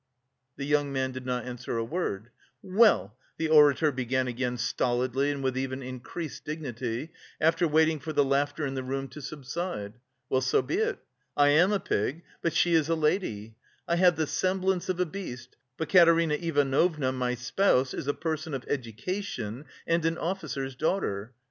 The young man did not answer a word. "Well," the orator began again stolidly and with even increased dignity, after waiting for the laughter in the room to subside. "Well, so be it, I am a pig, but she is a lady! I have the semblance of a beast, but Katerina Ivanovna, my spouse, is a person of education and an officer's daughter.